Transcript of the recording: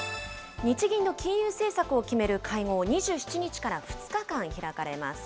日銀の金融政策を決める会合、２７日から２日間開かれます。